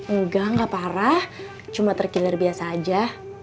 enggak nggak parah cuma terkiler biasa aja